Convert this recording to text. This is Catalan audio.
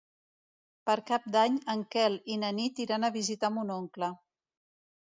Per Cap d'Any en Quel i na Nit iran a visitar mon oncle.